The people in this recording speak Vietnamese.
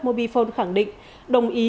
mobifone khẳng định đồng ý